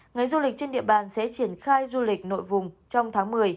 ngành du lịch trên địa bàn sẽ triển khai du lịch nội vùng trong tháng một mươi